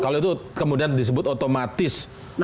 kalau itu kemudian disebut otomatis